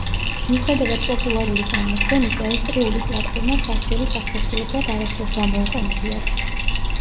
მიუხედავად პოპულარული წარმოდგენისა, ეს წრიული პლატფორმა სასჯელის აღსასრულებლად არასდროს გამოუყენებიათ.